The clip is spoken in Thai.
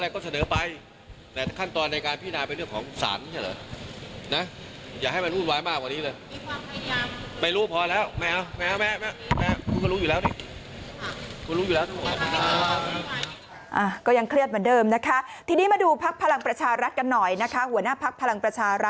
ก็ยังเคลือดเหมือนเดิมนะคะทีนี้มาดูภาพพลังประชารัฐกันหน่อยนะคะ